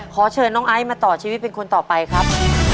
ขอเชิญน้องไอซ์มาต่อชีวิตเป็นคนต่อไปครับ